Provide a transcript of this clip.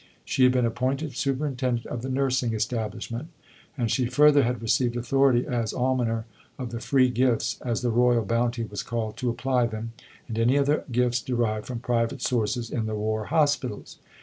She had been appointed superintendent of the nursing establishment; and she further had received authority, as almoner of the "Free Gifts" (as the Royal Bounty was called), to apply them, and any other gifts derived from private sources, in the War Hospitals.